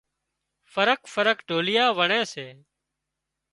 فرق فرق ڍوليئا وڻي سي